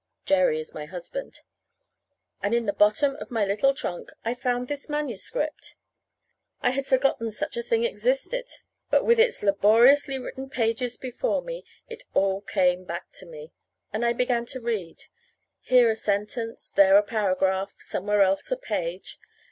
(Jerry is my husband.) And in the bottom of my little trunk I found this manuscript. I had forgotten that such a thing existed; but with its laboriously written pages before me, it all came back to me; and I began to read; here a sentence; there a paragraph; somewhere else a page.